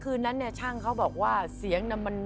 คืนนั้นเนี่ยช่างเขาบอกว่าเสียงน่ะมัน